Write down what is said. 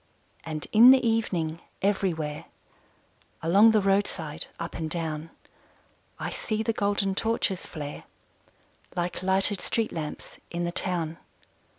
And in the evening, everywhere Along the roadside, up and down, I see the golden torches flare Like lighted street lamps in the town.